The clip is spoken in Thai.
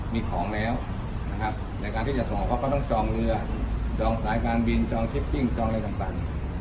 มีของแล้วนะครับในการที่จะส่งเขาก็ต้องจองเรือจองสายการบินจองชิปปิ้งจองอะไรต่าง